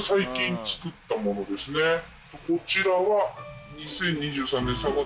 こちらは。